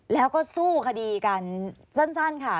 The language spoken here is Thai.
แล้วก็สู้คดีกันสั้นค่ะ